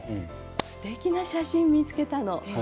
すてきな写真を見つけたの。